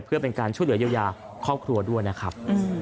เพื่อเป็นการช่วยเหลือเยียวยาครอบครัวด้วยนะครับ